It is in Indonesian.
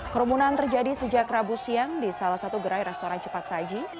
kerumunan terjadi sejak rabu siang di salah satu gerai restoran cepat saji